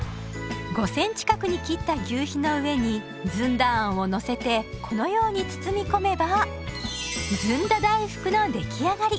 ５センチ角に切った求肥の上にずんだあんをのせてこのように包み込めばずんだ大福の出来上がり。